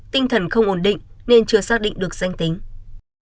tinh thần không ổn định nên chưa xác định được danh tính